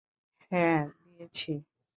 হ্যাঁঁ, দিয়েছি।